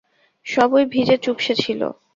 সবই ভিজে চুপসে ছিল।